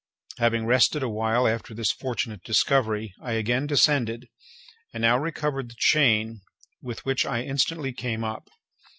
Having rested a while after this fortunate discovery, I again descended, and now recovered the chain, with which I instantly came up.